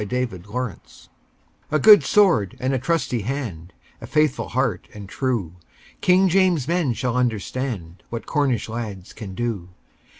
"Trelawny"[edit] A good sword and a trusty hand! A merry heart and true! King James's men shall understand What Cornish lads can do!